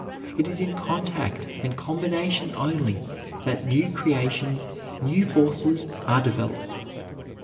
It is in contact and combination only that new creations, new forces, are developed.